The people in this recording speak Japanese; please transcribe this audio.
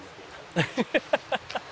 「ハハハハ！」